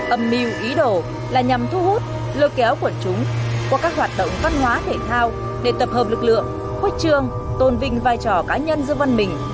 âm mưu ý đồ là nhằm thu hút lừa kéo của chúng qua các hoạt động văn hóa thể thao để tập hợp lực lượng khuếch trương tôn vinh vai trò cá nhân dương văn minh